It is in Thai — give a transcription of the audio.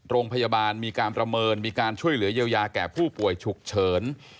โรงพยาบาลมีการประเมินมีการช่วยเหลือเยียวยาแก่ผู้ป่วยฉุกเฉิน